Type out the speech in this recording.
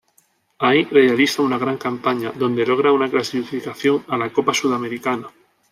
Ahí realiza una gran campaña, donde logra una clasificación a la Copa Sudamericana.